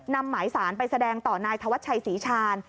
นำหมายสารไปแสดงต่อนายธวัชชัยศรีชาญ